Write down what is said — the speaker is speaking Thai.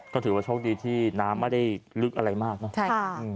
ก็ถือว่าโชคดีที่น้ำไม่ได้ลึกอะไรมากเนอะใช่ค่ะ